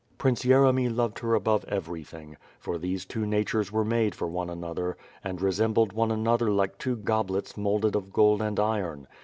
Prince Yeremy loved her above everything; for these two natures were made for one another, and resembled one another like two goblets moulded of gold and iron.